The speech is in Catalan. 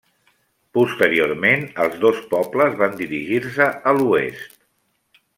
Posteriorment els dos pobles van dirigir-se a l'oest.